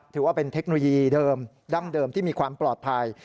ถือว่าเป็นเทคโนโลยีเดิมดั้งเดิมที่มีความปลอดภัย